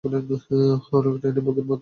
অনেকটা ট্রেনের বগির মতো।